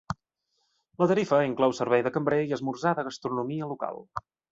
La tarifa inclou servei de cambrer i esmorzar de gastronomia local.